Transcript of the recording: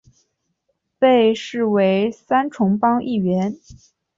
被视为三重帮一员。